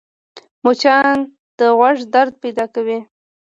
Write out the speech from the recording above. مچان د غوږ درد پیدا کوي